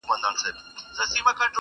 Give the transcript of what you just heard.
بل دي هم داسي قام لیدلی چي سبا نه لري؟؛